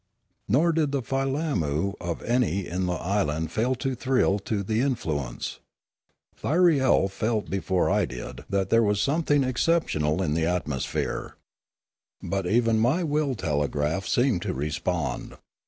Nor did the filammu of any in the island fail to thrill to the influence. Thyriel felt before I did that there was something exceptional in the atmosphere. But even my will telegraph seemed to respond.